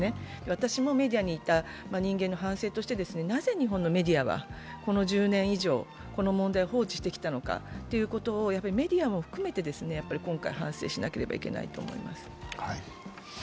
私もメディアにいた人間の反省としてなぜ日本のメディアはこの１０年以上、この問題を放置してきたのかということをメディアも含めて今回反省しなければいけないと思います。